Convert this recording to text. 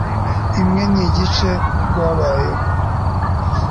imwe n igice Rwabayeho